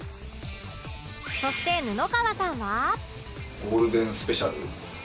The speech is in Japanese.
そして布川さんは